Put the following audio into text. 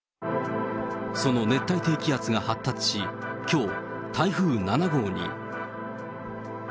その熱帯低気圧が発達し、きょう、台風７号に。